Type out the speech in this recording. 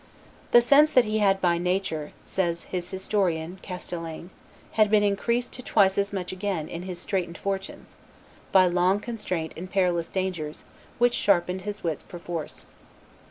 "The sense he had by nature," says his historian Chastellain, "had been increased to twice as much again, in his straitened fortunes, by long constraint and perilous dangers, which sharpened his wits perforce."